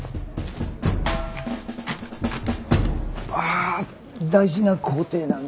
あ大事な工程なんで。